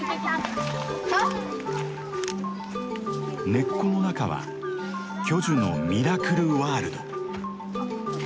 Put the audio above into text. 根っこの中は巨樹のミラクルワールド。